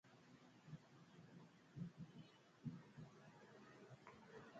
Asaŋga bori y nyuasani ri kolo mempah mɛtɛgɔ yɛya y gbagi lan yenir.